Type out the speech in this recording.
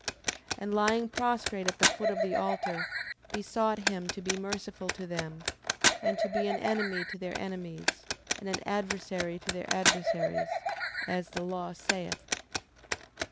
And lying prostrate at the foot of the altar, besought him to be merciful to them, and to be an enemy to their enemies, and an adversary to their adversaries, as the law saith.